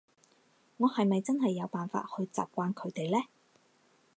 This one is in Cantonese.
我係咪真係有辦法去習慣佢哋呢？